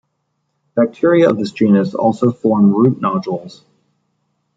Bacteria of this genus also form root nodules.